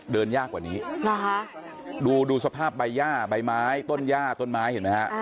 เดินยากกว่านี้นะคะดูดูสภาพใบย่าใบไม้ต้นย่าต้นไม้เห็นไหมฮะ